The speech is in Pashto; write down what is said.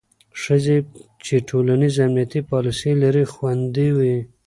ښځې چې ټولنیز امنیتي پالیسۍ لري، خوندي وي.